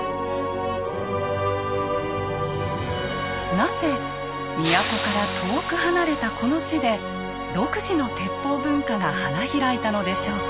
なぜ都から遠く離れたこの地で独自の鉄砲文化が花開いたのでしょうか？